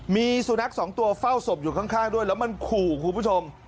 มีสุนัขสองตัวเฝ้าศพอยู่ข้างด้วยแล้วมันขู่คุณผู้ชม